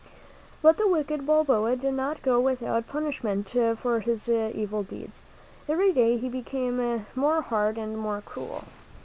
But the wicked Balboa did not go without punishment for all his evil deeds. Every day he became more hard and more cruel.